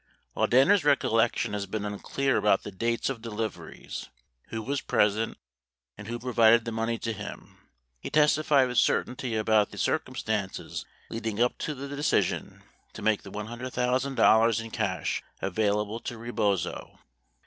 2 " While Danner's recollection has been unclear about the dates of deliveries, who was present and who provided the money to him, he testified with certainty about the circumstances leading up to the de cision to make the $100,000 in cash available to Rebozo.